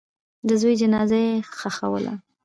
د زوی جنازه یې ښخوله.